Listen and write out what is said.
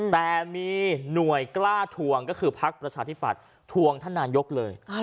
แต่มีหน่วยกล้าทวงก็คือพักประชาธิปัตย์ทวงท่านนายกเลย